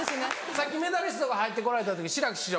さっきメダリストが入って来られた時志らく師匠